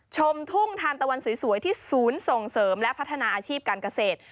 ชมทุ่งทานตะวันสวยที่ศูนย์ส่งเสริมและพัฒนาอาชีพการเกษตร